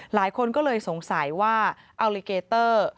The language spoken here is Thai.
หลายคนก็เลยสงสัยว่าอัลลิเกเตอร์